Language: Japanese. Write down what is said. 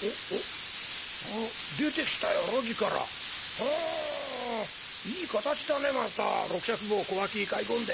ほういい形だねまた六尺棒小脇にかいこんで。